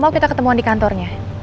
lalu kita ketemuan di kantornya